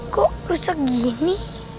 kok rusak gini